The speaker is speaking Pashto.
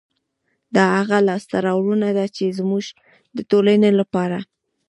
دا هغه لاسته راوړنه ده، چې زموږ د ټولنې لپاره